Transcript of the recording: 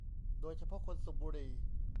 โดยเฉพาะคนสูบบุหรี่